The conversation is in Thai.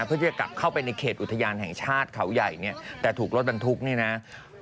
เพื่อที่จะกลับเข้าไปในเขตอุทยานแห่งชาติเขาใหญ่เนี่ยแต่ถูกรถบรรทุกเนี่ยนะ